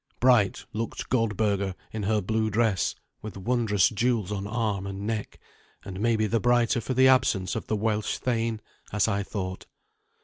Bright looked Goldberga in her blue dress, with wondrous jewels on arm and neck, and maybe the brighter for the absence of the Welsh thane, as I thought.